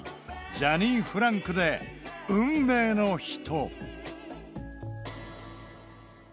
ザニーフランクで「運命の人」。